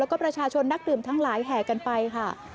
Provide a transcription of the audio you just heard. แล้วก็ประชาชนนักดื่มทั้งหลายแห่กันไปค่ะ